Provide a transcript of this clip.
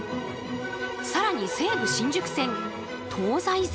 更に西武新宿線東西線